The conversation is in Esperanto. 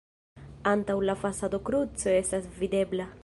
Antaŭ la fasado kruco estas videbla.